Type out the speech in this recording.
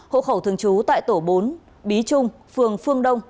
hộ khẩu thường trú tại tổ bốn bí trung phường phương đông